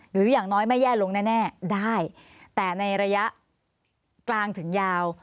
อย่างน้อยไม่แย่ลงแน่ได้แต่ในระยะกลางถึงยาว